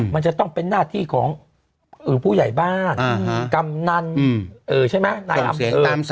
มันจะต้องเป็นหน้าที่ของผู้ใหญ่บ้านกำนันใช่ไหมนายอับ